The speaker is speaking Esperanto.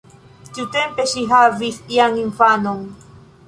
Tiutempe ŝi havis jam infanon.